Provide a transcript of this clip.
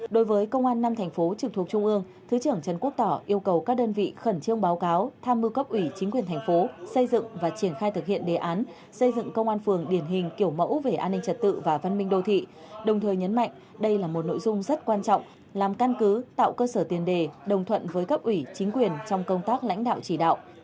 đối với công an năm thành phố trực thuộc trung ương thứ trưởng trần quốc tỏ yêu cầu các đơn vị khẩn trương báo cáo tham mưu cấp ủy chính quyền thành phố xây dựng và triển khai thực hiện đề án xây dựng công an phường điển hình kiểu mẫu về an ninh trật tự và văn minh đô thị đồng thời nhấn mạnh đây là một nội dung rất quan trọng làm căn cứ tạo cơ sở tiền đề đồng thuận với cấp ủy chính quyền trong công tác lãnh đạo chỉ đạo